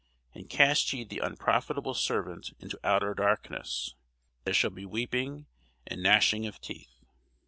And cast ye the unprofitable servant into outer darkness: there shall be weeping and gnashing of teeth.